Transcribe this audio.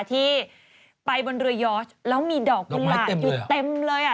ที่ไปบนเรือยอร์ชแล้วมีดอกกุหลาบอยู่เต็มเลยอ่ะ